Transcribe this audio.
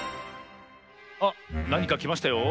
あっなにかきましたよ。